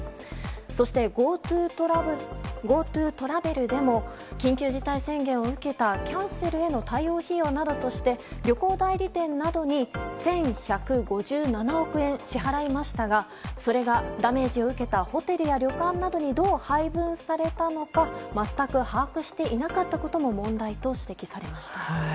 そしてＧｏＴｏトラベルでも緊急事態宣言を受けたキャンセルへの対応費用などとして旅行代理店などに１１５７億円、支払いましたがそれがダメージを受けたホテルや旅館などにどう配分されたのか全く把握していなかったことも問題と指摘されました。